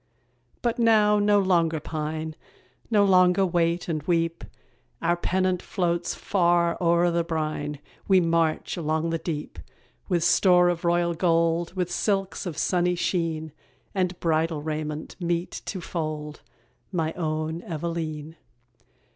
But now no longer pine, No longer wait and weep; Our pennant floats far o'er the brine, We march along the deep. With store of royal gold, With silks of sunny sheen, And bridal raiment meet to fold My own Eveleen.